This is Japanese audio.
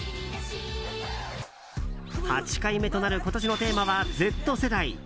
８回目となる今年のテーマはＺ世代。